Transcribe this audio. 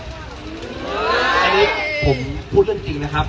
อันนี้ผมพูดเรื่องจริงนะครับ